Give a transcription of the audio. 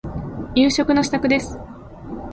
夕食の支度です。